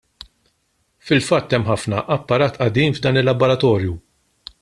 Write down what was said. Fil-fatt hemm ħafna apparat qadim f'dan il-laboratorju.